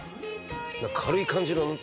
「軽い感じの」